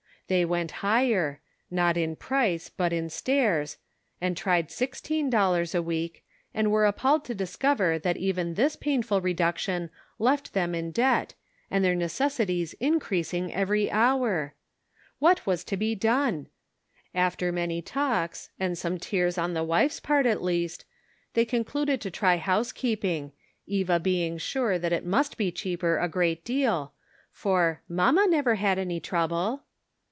They went higher — not in price, but in stairs — and tried sixteen dollars a week, and were appalled to discover Cake and Benevolence. 57 that even this painful reduction left them in debt, and their necessities increasing every hour ! What was to be done ? After many talks, and some tears on the wife's part, at least, they concluded to try housekeeping, Eva being sure that it must be cheaper a great deal, for " mamma never had any trouble."